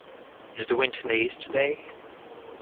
Is the wind in the east today?